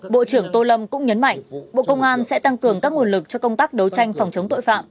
bộ trưởng tô lâm cũng nhấn mạnh bộ công an sẽ tăng cường các nguồn lực cho công tác đấu tranh phòng chống tội phạm